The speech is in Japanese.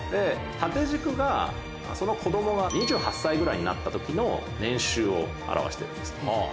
縦軸がその子供が２８歳ぐらいになった時の年収を表しているんです。